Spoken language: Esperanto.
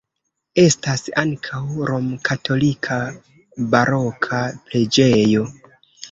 Estas ankaŭ romkatolika baroka preĝejo.